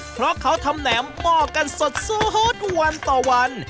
เพราะเขาทำแหนมหม้อกันสดวันต่อวัน